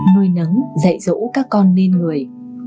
nuôi nấng dạy dỗ các con nên người